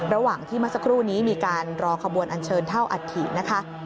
ระหว่างที่เมื่อสักครู่นี้มีการรอขบวนอันเชิญเท่าอัฐินะคะ